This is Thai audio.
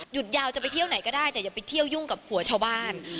ยาวจะไปเที่ยวไหนก็ได้แต่อย่าไปเที่ยวยุ่งกับหัวชาวบ้าน